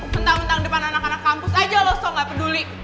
mentang mentang depan anak anak kampus aja lo sok gak peduli